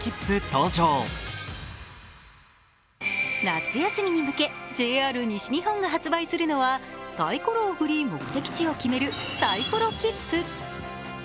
夏休みに向け、ＪＲ西日本が発売するのはサイコロを振り、目的地を決めるサイコロきっぷ。